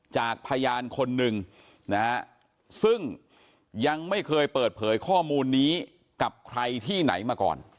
จากพยานคนหนึ่งนะฮะซึ่งยังไม่เคยเปิดเผยข้อมูลนี้กับใครที่ไหนมาก่อน